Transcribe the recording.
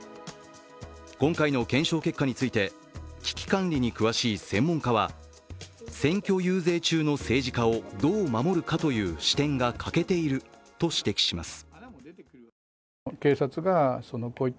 今回の検証結果について危機管理に詳しい専門家は選挙遊説中の政治家をどう守るかという視点が欠けていると指摘します。